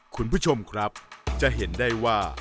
คุณผู้ชมครับจะเห็นได้ว่า